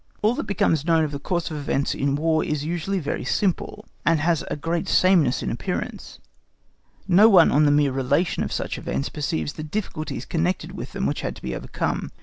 All that becomes known of the course of events in War is usually very simple, and has a great sameness in appearance; no one on the mere relation of such events perceives the difficulties connected with them which had to be overcome.